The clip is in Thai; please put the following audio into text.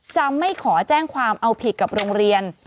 จะไม่ขอแจ้งความเอาผิดกับโรงเรียน